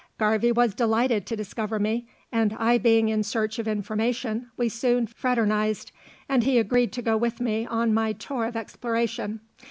Garvie was delighted to discover me, and I being in search of information, we soon fraternized, and he agreed to go with me on my tour of exploration.